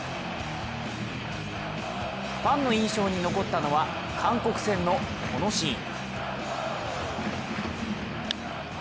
ファンの印象に残ったのは韓国戦のこのシーン。